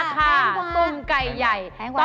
แพงกว่า